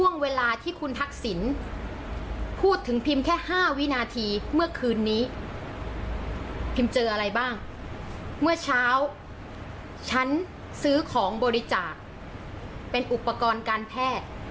นี่ค่ะคุณผู้ชมที่พิมพ์เรียบร้ายได้พูดไปนะคะ